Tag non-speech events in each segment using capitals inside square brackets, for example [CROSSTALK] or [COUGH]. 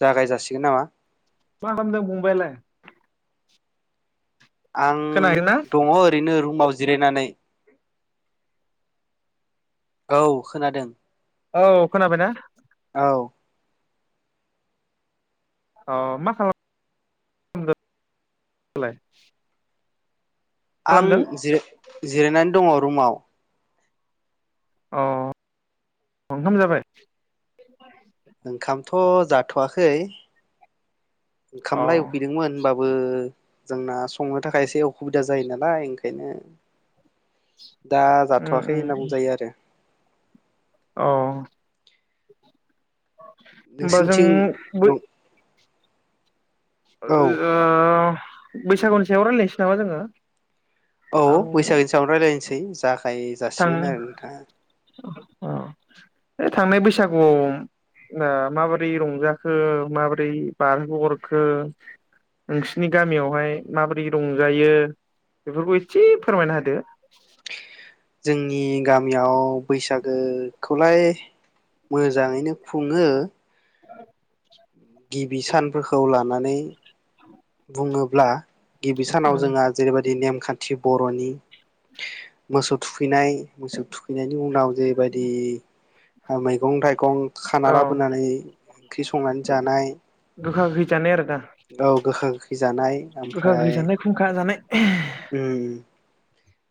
जागाय जासिगोन नामा? मा खालामदों फंबायालाय? आं खोनाहैदोंना दङ ओरैनो र माव जिरायनानै। औ खोनादों । औ खोनाबायना? औ । अ मा खालाम [UNINTELLIGIBLE] लाय । आं जिराय जिरायनानै दङ । रुमाव। अ ओंखाम जाबाय? ओंखामथ' जाथ'वाखै । अ ओंखामलाय उखैदोंमोन होमबाब बो जोंना संनो थाखाय एसे अखुबिदा जायो नालाय ओंखायनो दा उम जाथ'वाखै होनना बुंजायो आरो । औ । होमबा जों नोंसिनिथिं बै औ ओ-आ बैसागुनि सायाव रायलानोसै नामा जोङो? औ आं बैसागोनि सायावनो रायलायनो सै जाख गाय थां जासिगोन आरो नोंथाङा । अ बे थांनाय बैसागुआव ओ माबोरै रंजाखो माबोरै बारहोहरखो नोंसिनि गामियावहाय माबोरै रंजायो बेफोरखौ एसे फोरमायना होदो । जोंनि गामियाव बैसागो खौलाय मोजाङैनो खुङो गिबि सानफोरखौ लानानै बुङोब्ला गिबि सानाव उम जोङो जेरैबायदि नेम खान्थि बर'नि मोसौ थुखैनाय मोसौ थुखैनायनि उनाव जेबादि आ मैगं थाइगं खाना औ लाबोनानै ओंख्रि संनानै जानाय गोखा गोखै जानाय आरो दा औ गोखा गोखै जानाय गोखा गोखै आमफ्राय जानाय खुंखा [UNINTELLIGIBLE] ओम ओम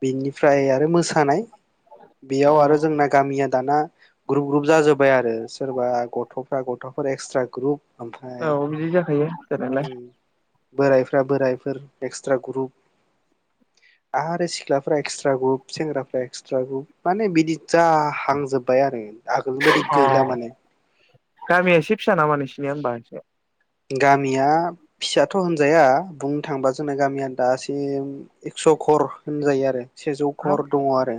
बेनिफ्राय आरो मोसानाय अ बेयाव आरो जोंना गामिया दाना ग्रुप ग्रुप जाजोब्बाय आरो सोरबा गथ'फ्रा गथ'फोर एक्सट्रा ग्रुप ओमफ्राय औ बिदि जाखायो जानायालाय बोरायफ्रा बोरायफोर एक्सट्रा ग्रुप आरो सि ख्लाफ्रा एक्सट्रा ग्रुप सेंग्राफ्रा एक्सट्रा ग्रुप माने बिदि जा हांजोब्बाय आरो आगोलनि बायदि गैला माने गामिया एसे फिसा नामा नोंसिनिया होनबा एसे गामिया फिसाथ' होनजाया बुंनो थाङोबा जोंना गामिया दासिम एक्स' घर होनजायो आरो सेजौ हाब घर दङ आरो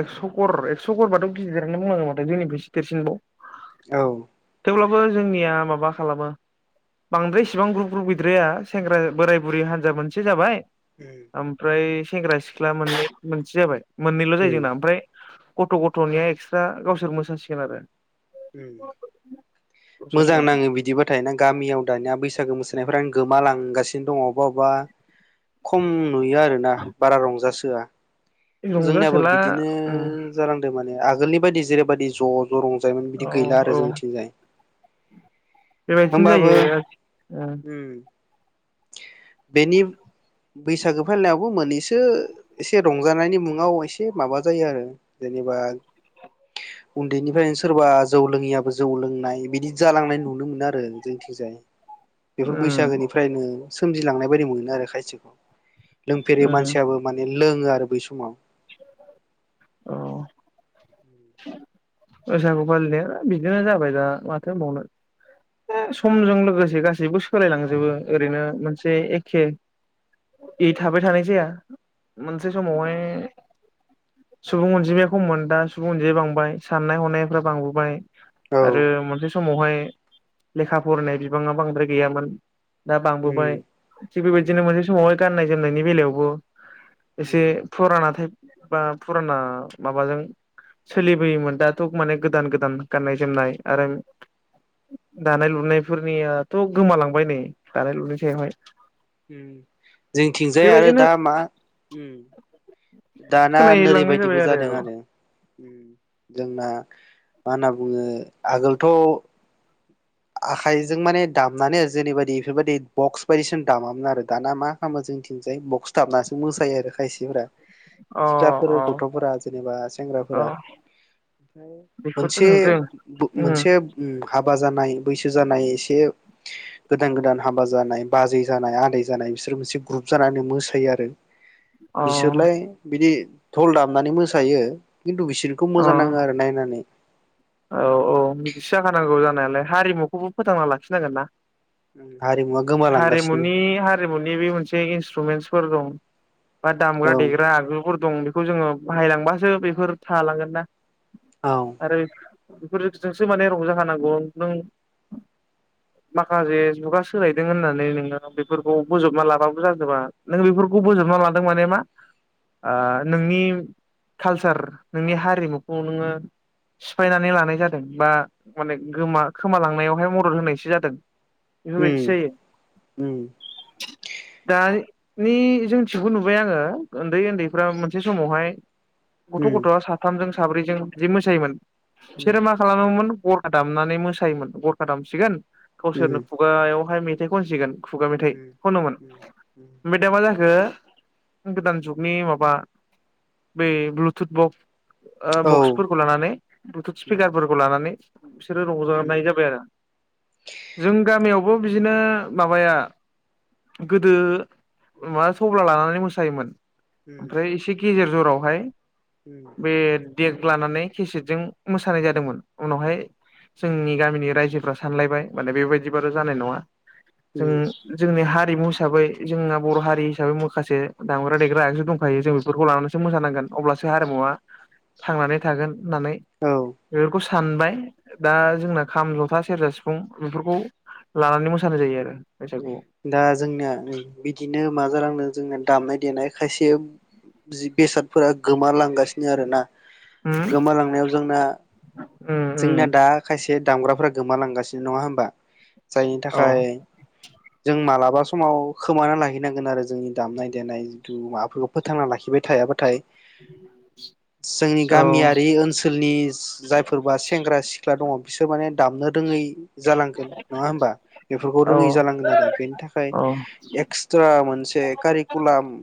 एक्स' घर एक्स' घरबाथ' गिदिरानो बुंनांगोन माथो जोंनिफ्रायसे देरसिनबाव। औ थेवब्लाबो जोंनिया माबा खालामो बांद्राय इसेबां ग्रुप ग्रुप गैद्राया सेंग्रा बोराय बुरै हान्जा मोनसे जाबाय उम ओमफ्राय सेंग्रा सिख्ला मोननै मोनसे जाबाय मोननैल' जायो जोंना ओमफ्राय गथ' गथ'निया एक्सट्रा गावसोर मोसासिगोन आरो उम मोजां गावसोरजों नाङो बिदिबाथाय ना गामियाव दानिया बैसा सागो मोसानायफ्रानो गोमालांगासिनो दङ अबा अबा खम नुयो आरोना बारा रंजास सोआ जोंनियाबो रंजासोला बिदिनो उम जालांदो माने आगोलनि बायदि जेरैबायदि ज' ज' रंजायोमोन औ बिदि गैला औ आरो जोंनिथिंजाय। बेबायदिनो होमबाबो जायो। उम बेनि बैसागो फालिनायावबो मोनैसो एसे रंजानायनि मुङाव एसे माबा जायो आरो जेनेबा उन्दैनिफ्रायनो सोरबा जौ लोङैयाबो जौ लोंनाय बिदि जालांनाय नुनो मोनो आरो जोंथिंजाय। बेफोर उम बैसागोनिफ्रायनो सोमजिलांनाय बायदि मोनो आरो खायसेखौ। लोंफेरि उम मानसियाबो माने लोङो आरो बै समाव। औ। बोसागु फालिनाया बिदिनो जाबाय दा माथो होनबावनो समजों लोगोसे गासैबो सोलायलांजोबो ओरैनो मोनसे एखे बे थाबाय थानाय जाया मोनसे समावहाय सुबुं अनजिमाया खममोन दा सुबुं अनजिमाया बांबाय। साननाय हनायफ्रा बांबोबाय। औ आरो मोनसे। समावहाय लेखा फरायनाय बिबाङा बांद्राय गैयामोन। दा उम बांबोबाय थिग उम बेबायदिनो मोनसे समावहाय गाननाय जोमनायनि। बेलायावबो। एसे उम पुराना टाइप। बा फुराना माबाजों सोलिबोयोमोन। दाथ' माने गोदान गोदान गाननाय-जोमनाय आरो दानाय-लुनायफोरनियाथ' गोमालांबाय नै दानाय-लुनाय सायावहाय। जोंनिथिंजाय आरो बेबायदिनो दा मा। दाना सोलायलांनाय नोरैबायदिबो जाबाय जादों आरो। जोंना मा होनना बुङो आगोलथ'। आखाइजों माने दामनानै जेनैबादि बेफोरबायदि बक्स बायदिसिना दामामोन आरो दाना मा खालामो जोंनिथिंजाय बक्स दामनासो मोसायो आरो खायसेफोरा। अ सिख्लाफोर अ गथ'फोरा जेनेबा अ सेंग्राफोरा ओमफ्राय बेखौथ' मोनसे नुदों उम मोनसेब। हाबा जानाय बैसो जानाय एसे गोदान गोदान हाबा जानाय, बाजै जानाय, आदै जानाय बिसोर मोनसे ग्रुप जानानै मोसायो आरो। अ बिसोरलाय बिदि। दल दामनानै मोसायो। खिन्थु बिसोरखौ अ मोजां नाङो आरो नायनानै। औ औ बिदिसो जाखानांगौ जानायालाय, हारिमुखौबो फोथांना लाखिनांगोन ना। हारिमुवा गोमालांगासिनो हारिमुनि हारिमुनि बे मोनसे इन्सट्रुमेन्स। फोर दं। बा औ दामग्रा-देग्रा आगजुफोर। दं, बेखौ जोङो बाहायलांबासो बेफोर थालांगोन ना। औ आरो। बेफोरजोंसो माने रंजाखानांगौ। नों माखासे जुगा सोलायदों होननानै, नोङो बेफोरखौ बोजबना लाबाबो जाजोबा। नों बेफोरखौ बोजबना लादों माने मा नोंनि कालसार, नोंनि हारिमुखौ नोङो। सिफायनानै लानाय जादों, बा माने गोमा खोमालांनायावहाय मदद होनायसो जादों। बेफोरबायदि उम जायो उम दा। नि जोंनिथिंखौ नुबाय आङो उन्दै उन्दैफ्रा मोनसे समावहाय गथ' उम गथ'आ साथामजों साब्रैजों जि मोसायोमोन उम बिसोरो मा खालामोमोन गरखा दामनानै मोसायोमोन। गरखा दामसिगोन उम गावसोरनो खुगायावहाय मे थाइ खनसिगोन खुगा औ मेथाइ दा खनोमोन। ओमफ्राय दा मा जा खो गोदान जुगनि माबा बै ब्लुथुथ बक ओ बक्सफोरखौ लानानै ब्लुथुथ स्पिकारफोरखौ लाना नै बिसोरो रंजानाय जाबाय आरो जों गामियाव वबो बिदिनो माबाया गोदो माबा थब्ला लानानै मोसायोमोन। ओमफ्राय एसे गेजेर जराव हाय बे देग लानानै खेसेट जों मोसानाय जादोंमोन उनावहाय जोंनि गामिनि रायजोफ्रा सानलायबाय माने बेबायदिबार' जानाय नङा। जों जोंनि हारि हारिमु हिसाबै जोंना बर' हारि हिसाबै माखासे दामग्रा देग्रा आगजु दंखायो जों बेफोरखौ लानानैसो मोसानांगोन अब्लासो हारिमुवा थांनानै थागोन होननानै बेफोरखौ सानबाय दा जोंना खाम जथा सेरजा सिफुं बेफोरखौ लानानै मोसानाय जायो आरो बैसागुआव दा जोंना बिदिनो मा जालांदो जोंङो दामनाय देनाय खायसे जि बेसादफोरा गोमालांगासिनो आरो ना उम गोमालांनायाव जोंना उम उम जोंना दा खायसे दामग्राफ्रा गोमालांगासिनो नङा होनबा? जायनि औ थाखाय जों मालाबा समाव खोमाना लाहैनांगोन आरो जोंनि दामनाय देनाय जिथु माबाफोरखौ फोथांना लाखिबाय थायाबाथाय जोंनि औ गामियारि ओनसोलनि जायफोरबा सेंग्रा सिख्ला दङ बिसोर माने दामनो रोङै जालांगोन नङा होमबा बेफोरखौ औ रोङै जालांगोन आरो बेनि थाखाय औ एक्सट्रा मोनसे मोनसे कारिकुलाम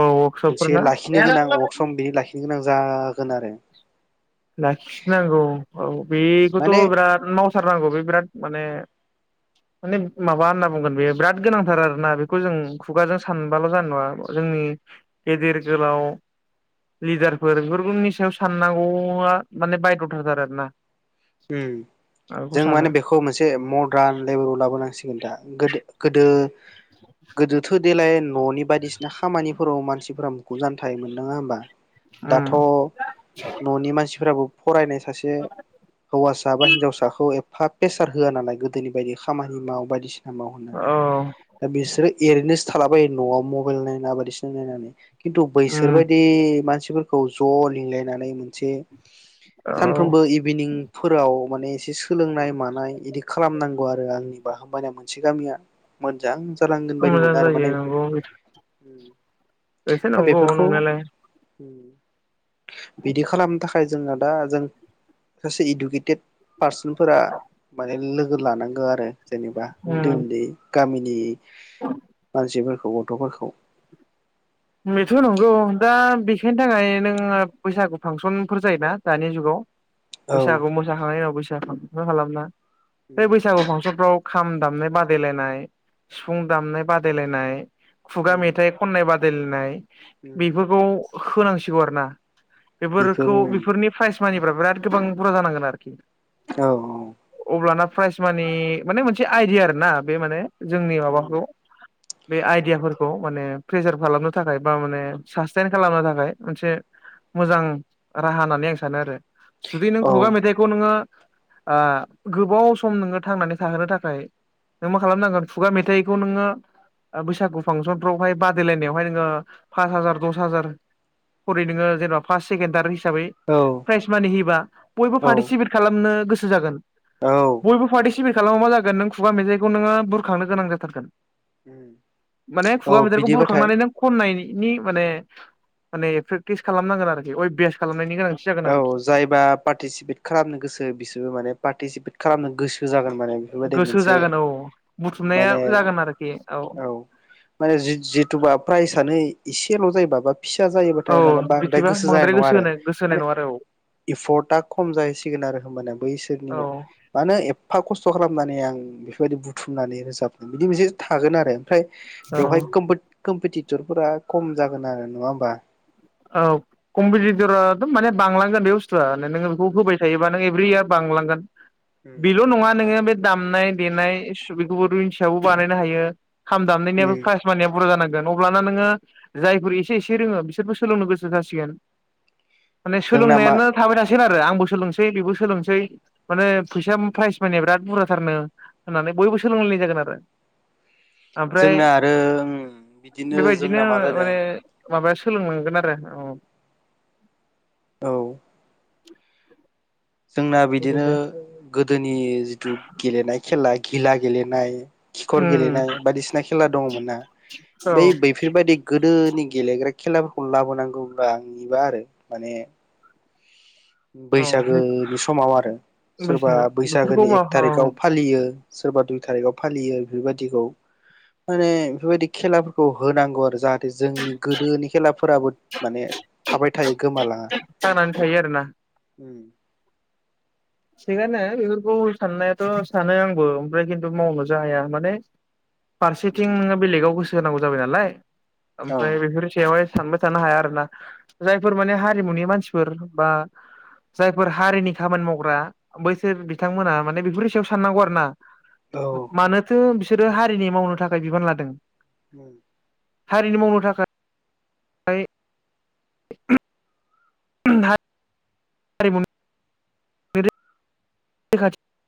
औ वर्कशपफोर ना गोनां जागोन आरो। लाखिनांगौ औ बेखौथ' माने बिराद मावथारनांगौ बे बिराद माने माने माबा होनना बुंगोन बेयो बिराद गोनांथार आरोना बेखौ जों खुगाजों सानबाल' जानाय नङा जोंनि गेदेर गोलाव लिडारफोर बेफोरनि सायाव साननांगौ। ङा माने बाइद'थार आरो ना। उम जों माने बेखौ मोनसे मदार्न लेभेलाव लाबोनांसिगोन। दा गोदो गोदो गोदोथ' देेलाय न'नि बायदिसिना खामानिफोराव मानसिफोरा मुखुब जाना थायोमोन नङा होमबा? दाथ' उम न'नि मानसिफोराबो फरायनायसै सासे हौवासा बा हिन्जसाखौ एफा प्रेसार होआ नालाय गोदोनि बायदि खामानि माव बायदिसि सिना माव होननानै औ दा बिसोरो एरैनोसो थालाबायो न'आव मबाइल नायना बायदिसिना नायनानै। खिन्थु बैसोर उम बायदि मानसिफ बिफोरखौ ज' लिंलायनानै मोनसे औ सानफ्रोमबो इभिनिं फोराव माने एसे सोलोंनाय मानाय इदि खालामनांगौ आरो आंनिबा होमबानिया मोन मोनसे गामिया मोजां जालांगोन बायदि मोजां मोनो आरो जायो माने नंगौ एसे नंगौ नंनायालाय। उम। बिदि खालामनो थाख जोंना दा जों सासे इदु किथेत पारसनफोरा माने लो लोगो लानांगौ आरो। जेनेबा उन्दै उम उन्दै गामिनि मानसिफोरख गथ'फोरखौ बेथ' नंगौ दा बेखायनि थाखाय नोंङो बैसागु फांसनफोर जायोना दानि जुगाव। औ बैसागु मोसाखांनायनि उनाव बैस फिसा फांसन खालामना है उम बैसागु फांसनफ्राव खाम दामनाय बादायलायनाय, सिफुं दामनाय बादायलायनाय खुगा उम मेथाइ खननाय बाद दायलायनाय उम बेफोरखौ होनांसिगौ आरो ना। बेफोर बेफोरखौ उम बेफोरनि प्राइस खामानिफ्रा बिराद गोबां बुरजा जानांगोन आरखि। औ औ। अब्लाना प्राइस मानि माने मोनसे आइदिया आरोना बे माने जोंनि माबाखौ बे आइदियाफोर औ माने प्रेजार खालामनो थाखाय बा माने सास्टेन खालामनो थाखाय मोनसे मोजां राहा होननानै आं सानो आरो। सुदि नों औ खुगा मेथाइखौ नोङो ओ गोबाव सम नोङो थांनानै थाहोनो थाखाय नों मा खालामनांगोन खुगा मेथाइखौ नोङो बैसागु फांसनफ्रावहाय बा दायलायनायावहाय नोङो फास हाजार, दस हाजार खरै नोङो जेनबा पास सेकेन तार हिस साबै प्राइज मानि हैयोबा बयबो औ पार्टिसिपेट खालामनो गोसो सो जागोन। औ बयबो पारटिसि सिपेट खालामा मा जागोन नों खुगा मेजाइखौ नोङो बुरखांनो गोनां जाथारगोन। उम माने खुगा औ मेथाइखौ बिदिबाथाय बुरखांनानै नों खननायनि माने, माने प्रेक्टिस खालामनांगोन आरोखि अयभास खालाम औ जायबा पार्टिसिपेट खालामनो गोसो बिसोरबो माने पार्टिसिपेट खालामनो गोसो जागोन माने बेफोरबायदि गोसो मोनसे जागोन औ बुथुमनाया माने जागोन आरोखि औ माने जिद-जिद थुबा प्राइजानो एसेल' जायोबा बा फिसा औ जायोबाथाय माने बांद्राय बिदिबा गोसो जानाय बांद्राय नङा आरो। होनाय गोसो होनाय माने नङा आरो एफर्टआ खम जाहैसिगोन आरो होमबानो औ औ बैसोरनियाव मानोे एफा खस थ' खालामनानै आं बेफोरबायदि बुथुमनानै रोजाबनो बिदि मोनसे थागोन आरो। फ्राय औ बेवहाय कमफर्ट कम्पिटिटरफोरा खम जागोन आरो नङा होमबा? औ कम्पिटिटराथ' माने बांलांगोन बे बुस्थुआ नोङो बेखौ होबाय थायोबा नों एभ्रि इयार बांलांगोन। उम बेल' नङा नोङो बे दामनाय देनाय [UNINTELLIGIBLE] खौबोथ' हिसाबाव बानायनो हायो। खाम दामनायनियाबो प्राइस मानिया बुरजा जानां गोन अब्लाना नोङो जायफोर एसे एसे रोङो बिसोरबो सोलोंनो गोसो जासिगोन माने जोंना मा सोलोंनायानो थाबाय थासिग गोन आरो आंबो सोलोंसै बेबो सोलोंसै माने फैसा प्राइज मानिया बिराद बुरजाथारनो होननानै बयबो सोलोंलायनाय जागोन आरो ओमफ्राय जोंना आरो उम बिदिनो बेबायदिनो जोंना मा जादों माने माबाया सोलोंनांगौ हागोन आरोे औ औ [INAUDIBLE] जोंना बिदिनो गोदोनि जिथु गेलेनाय खेला गिला गेलेनाय खिखर उम गेलेनाय बायदिसिना खेला दंङमोना औ बै बैफोरबायदि गोदोनि गेलेग्रा खेला लाबोनांगौब्ला आंनिबा आरो माने औ बैसागोनि समाव आरो सोरबा बैसागु बेफोरखौ बैसागोनि एक माव औ थारिखाव फालियो सोरबा दुइ थारिखाव फालियो बेफोरबायदिखौ माने बेफोरबायदि खेलाफोरखौ होनांगौ आरो जाहाथे जोंनि गोदोनि खेलाफोराबो माने थाबाय थायो गोमालाङा थांनानै थायो आरोना उम थिगानो बेफोरखौ साननायाथ सानो आंबो ओमफ्राय खिन्थु मावनोसो हाया माने फारसेथिं उम नोंङो बेलेगाव गोसो होनांगौ जाबाय नालाय औ ओमफ्राय बेसोर सेयावहाय सानबाय थानो हाया आरोना जायफोर माने हारिमुनि मानसिफोर बा जायफोर हारिनि खामानि मावग्रा बैसोर बिथांमोना माने बेफोर हिसायाव साननांगौ आरो ना मानोथो बि बिसोरो हारिनि मावनो थाखाय बिबान लादों ओम हारिनि मावनो थाखाय [UNINTELLIGIBLE] [UNINTELLIGIBLE] [UNINTELLIGIBLE]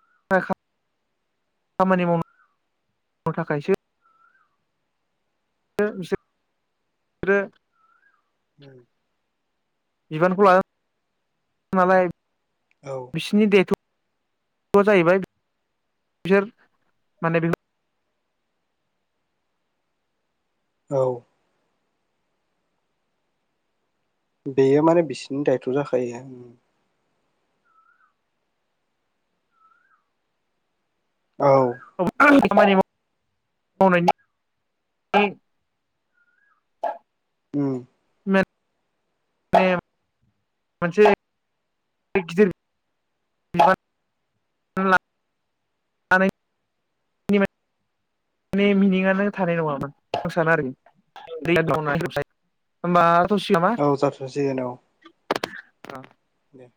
[UNINTELLIGIBLE] आरो बिसोरो होम बिबानखौ लानायनालाय औ बिसिनि दायथ जाहैबाय बिसोर माने औ बेयो माने बिसिनि दायथ जाखायो औ [UNINTELLIGIBLE] खामानि मावनायनि उम माने [UNINTELLIGIBLE] मोनसे [UNINTELLIGIBLE] [UNINTELLIGIBLE] मने मिनिङानो थानाय नङामोन आं सानो आरोखि होमबा औ जाथसिगोन औ। औ। दे।